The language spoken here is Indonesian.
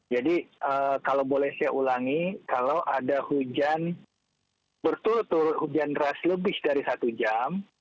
jadi kalau boleh saya ulangi kalau ada hujan berturut turut hujan deras lebih dari satu jam